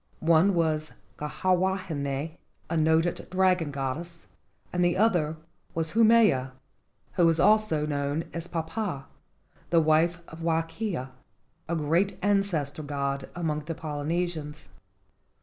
One was Kiha wahine, a noted dragon goddess, and the other was Haumea, who was also known as Papa, the wife of Wakea, a great ancestor god among the Polynesians.